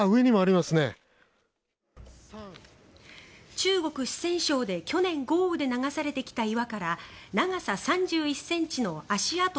中国・四川省で去年、豪雨で流されてきた岩から長さ３１ｃｍの足跡